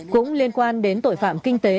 cũng liên quan đến tội phạm kinh tế